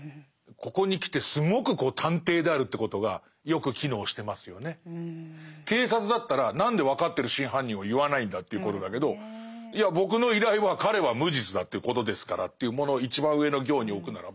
ここにきてすごく警察だったら何で分かってる真犯人を言わないんだっていうことだけどいや僕の依頼は彼は無実だということですからというものを一番上の行に置くならば。